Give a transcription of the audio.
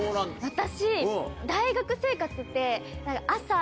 私。